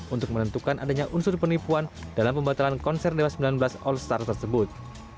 untuk menentukan adanya unsur penipuan dalam pembatalan konser dewa sembilan belas all star tersebut